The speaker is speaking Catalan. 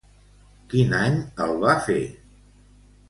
Quin any el va fer?